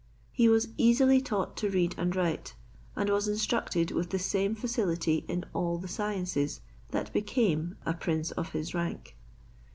He was easily taught to read and write, and was instructed with the same facility in all the sciences that became a prince of his rank.